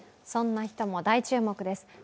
そんな人も大注目です。